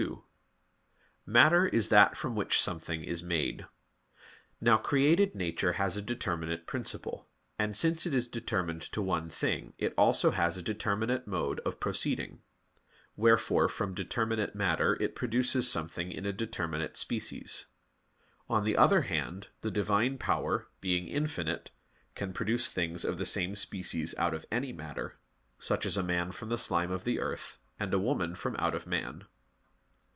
2: Matter is that from which something is made. Now created nature has a determinate principle; and since it is determined to one thing, it has also a determinate mode of proceeding. Wherefore from determinate matter it produces something in a determinate species. On the other hand, the Divine Power, being infinite, can produce things of the same species out of any matter, such as a man from the slime of the earth, and a woman from out of man.